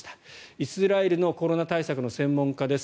イスラエルのコロナ対策の専門家です。